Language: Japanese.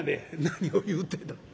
「何を言うてんの？